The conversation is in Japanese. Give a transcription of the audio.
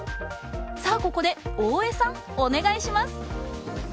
さあ、ここで大江さん、お願いします。